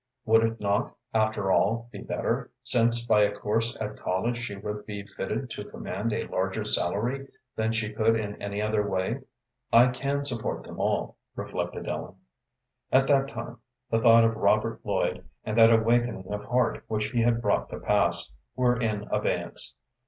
Would it not, after all, be better, since by a course at college she would be fitted to command a larger salary than she could in any other way. "I can support them all," reflected Ellen. At that time the thought of Robert Lloyd, and that awakening of heart which he had brought to pass, were in abeyance.